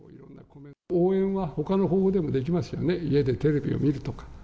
応援はほかの方法でもできますよね、家でテレビを見るとか。